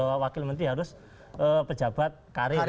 bahwa wakil menteri harus pejabat karir